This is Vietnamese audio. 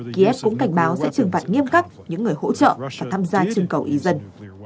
kiev cũng cảnh báo sẽ trừng phạt nghiêm khắc những người hỗ trợ và tham gia chương cầu ý dân